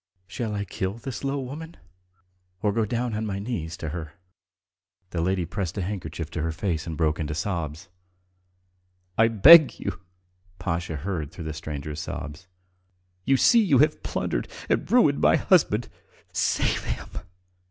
Shall I kill this low woman or go down on my knees to her?" The lady pressed her handkerchief to her face and broke into sobs. "I beg you!" Pasha heard through the stranger's sobs. "You see you have plundered and ruined my husband. Save him.